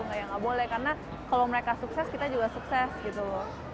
nggak ya nggak boleh karena kalau mereka sukses kita juga sukses gitu loh